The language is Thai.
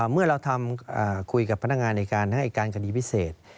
เมื่อเราทำคุยกับพนักงานในภาษาการกดีเทพฯ